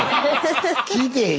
聞いてへん。